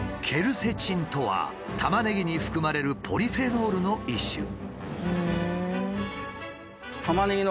ケルセチンとはタマネギに含まれるポリフェノールの一種。